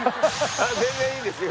全然いいですよ